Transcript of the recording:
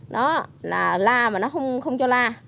đó là la mà nó không cho la